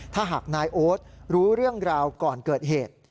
ถ้าหากนายโอ๊ตรู้เรื่องราวก่อนเกิดเหตุ